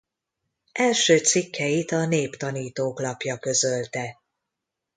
Első cikkeit a Néptanítók Lapja közölte.